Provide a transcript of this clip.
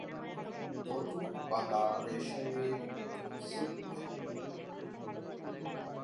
নতুন পাতা রেশমের মতো সূক্ষ্ম।